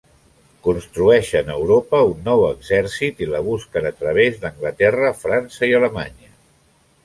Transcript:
Construeixen a Europa un nou exèrcit i la busquen a través d’Anglaterra, França i Alemanya.